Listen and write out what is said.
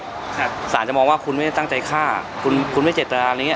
สารจะมองว่าคุณไม่ได้ตั้งใจฆ่าคุณคุณไม่เจตนาอะไรอย่างเง